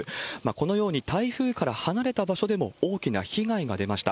このように台風から離れた場所でも大きな被害が出ました。